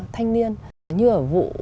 thanh niên như ở vụ